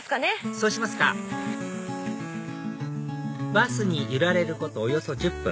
そうしますかバスに揺られることおよそ１０分